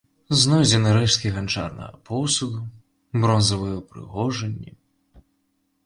Знойдзены рэшткі ганчарнага посуду, бронзавыя ўпрыгожанні.